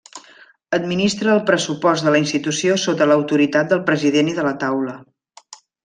Administra el pressupost de la institució sota l'autoritat del President i de la Taula.